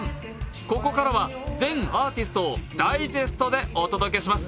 ここからは全アーティストをダイジェストでお届けします。